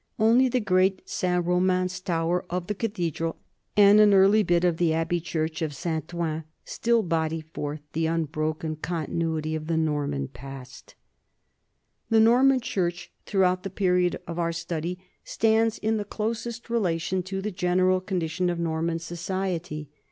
Only the great St. Romain's tower of the cathedral and an early bit of the 164 NORMANS IN EUROPEAN HISTORY abbey church of Saint Ouen still body forth the un broken continuity of the Norman past. The Norman church throughout the period of our study stands in the closest relation to the general condi tions of Norman society.